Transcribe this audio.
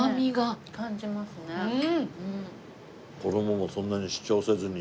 衣もそんなに主張せずに。